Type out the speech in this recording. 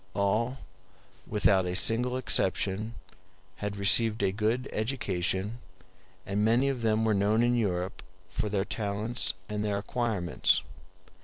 All, without a single exception, had received a good education, and many of them were known in Europe for their talents and their acquirements.